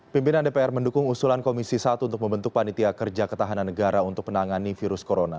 pimpinan dpr mendukung usulan komisi satu untuk membentuk panitia kerja ketahanan negara untuk menangani virus corona